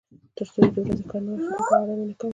تر څو یې د ورځې کار نه وای ختم کړی ارام یې نه کاوه.